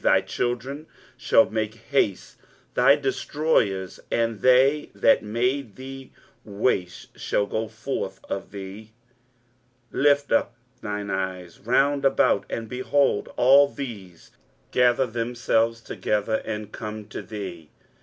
23:049:017 Thy children shall make haste; thy destroyers and they that made thee waste shall go forth of thee. 23:049:018 Lift up thine eyes round about, and behold: all these gather themselves together, and come to thee.